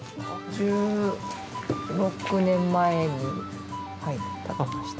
１６年前に建てました。